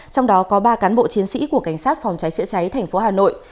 trong đó có ba cán bộ chiến sĩ của cảnh sát phòng cháy chữa cháy thành phố hà nội